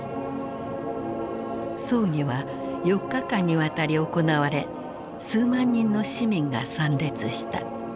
葬儀は４日間にわたり行われ数万人の市民が参列した。